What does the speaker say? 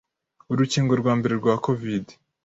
Urukingo rwa mbere rwa Covid